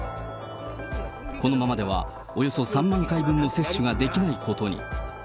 このままではおよそ３万回分の接種ができないことに。